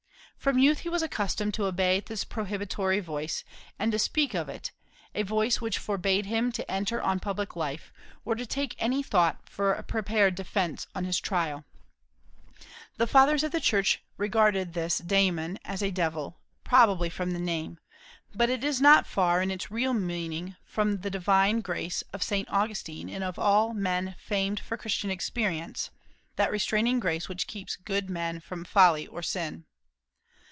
From youth he was accustomed to obey this prohibitory voice, and to speak of it, a voice "which forbade him to enter on public life," or to take any thought for a prepared defence on his trial. The Fathers of the Church regarded this daemon as a devil, probably from the name; but it is not far, in its real meaning, from the "divine grace" of St. Augustine and of all men famed for Christian experience, that restraining grace which keeps good men from folly or sin.